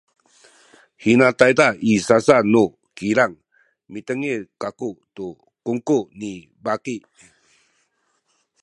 hina tayza i sasa nu kilang mitengil kaku tu kungku ni baki